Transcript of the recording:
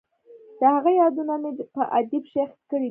د هغه یادونه مې په ادیب شیخ کې کړې ده.